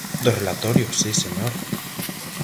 Do relatorio, si, señora.